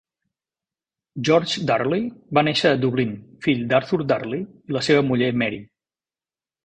George Darley va néixer a Dublín, fill d'Arthur Darley i la seva muller Mary.